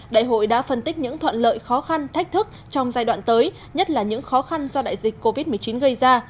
đại hội đã phân tích những thuận lợi khó khăn thách thức trong giai đoạn tới nhất là những khó khăn do đại dịch covid một mươi chín gây ra